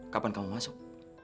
kapan kamu masuk